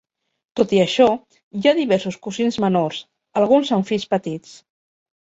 Tot i això, hi ha diversos cosins menors, alguns amb fills petits.